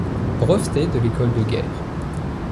Breveté de l'École de Guerre.